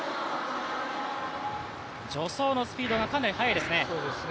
助走のスピードがかなり速いですね。